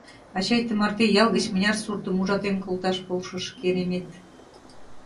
Ачай тымарте ял гыч мыняр суртым ужатен колташ полшыш, керемет!